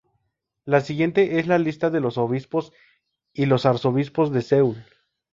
La siguiente es la lista de los obispos y los arzobispos de Seúl.